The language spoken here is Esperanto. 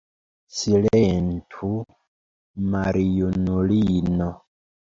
Silentu, maljunulino!